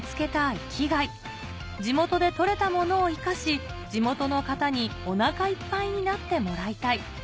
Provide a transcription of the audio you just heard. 生きがい「地元で採れたものを生かし地元の方におなかいっぱいになってもらいたい」